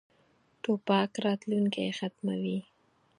توپک راتلونکی ختموي.